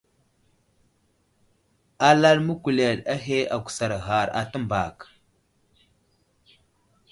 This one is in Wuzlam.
Alal məkuled ahe agusar ghar a təmbak.